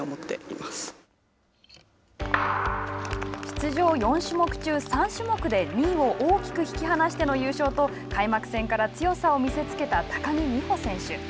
出場４種目中３種目で２位を大きく引き離しての優勝と開幕戦から強さを見せつけた高木美帆選手。